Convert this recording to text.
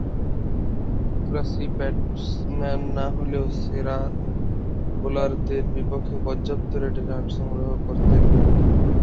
আগ্রাসী ব্যাটসম্যান না হলেও সেরা বোলারদের বিপক্ষে পর্যাপ্ত রেটে রান সংগ্রহ করতেন।